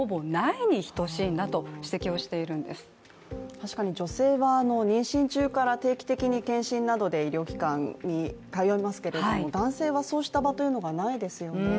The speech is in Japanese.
確かに女性は妊娠中から定期的に医療機関に通いますけれども、男性はそうした場がないですよね。